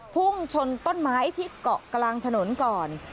พุ่งชนต้นไม้ที่เกาะกลางถนนก่อน